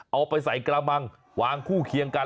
เอาไปใส่กระมังวางคู่เคียงกัน